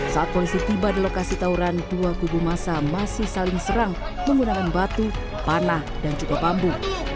saat polisi tiba di lokasi tauran dua kubu masa masih saling serang menggunakan batu panah dan juga bambu